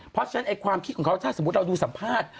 เพราะฉะนั้นความคิดของเขาถ้าสมมุติเราดูสัมภาษณ์